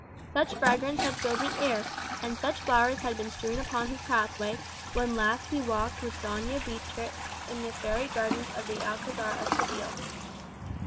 Such fragrance had filled the air, and such flowers had been strewed upon his pathway, when last he walked with Donna Beatrix in the fairy gardens of the Alcazar of Seville.